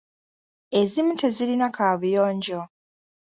Ezimu tezirina kaabuyonja.